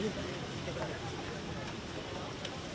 di tempat yang asli di jemaah